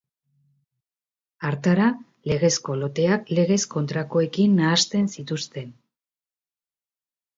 Hartara, legezko loteak legez kontrakoekin nahasten zituzten.